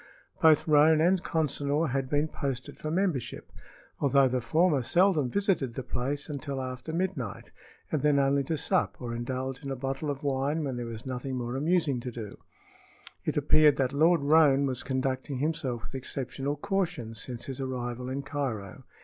Both Roane and Consinor had been posted for membership, although the former seldom visited the place until after midnight, and then only to sup or indulge in a bottle of wine when there was nothing more amusing to do. It appeared that Lord Roane was conducting himself with exceptional caution since his arrival in Cairo.